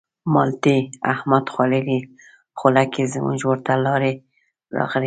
مالټې احمد خوړلې خوله کې زموږ ورته لاړې راغلې.